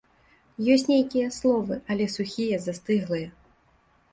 Ёсць нейкія словы, але сухія, застыглыя.